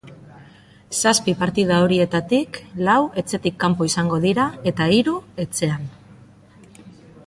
Zazpi partida horietatik, lau etxetik kanpo izango dira eta hiru, etxean.